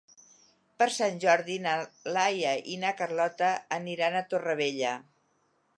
Per Sant Jordi na Laia i na Carlota aniran a Torrevella.